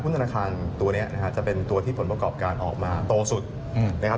ธนาคารตัวนี้นะครับจะเป็นตัวที่ผลประกอบการออกมาโตสุดนะครับ